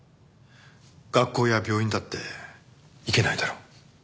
学校や病院だって行けないだろ。